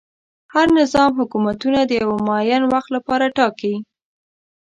هر نظام حکومتونه د یوه معین وخت لپاره ټاکي.